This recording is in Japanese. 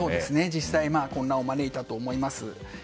実際、混乱を招いたと思います。